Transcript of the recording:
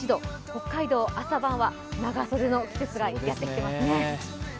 北海道、朝晩は長袖の季節がやってきていますね。